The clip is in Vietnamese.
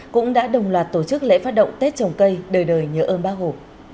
cũng đã đồng loạt tổ chức lễ phát động tết trồng cây đời đời nhớ ơn bác hồ